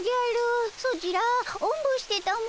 ソチらおんぶしてたも。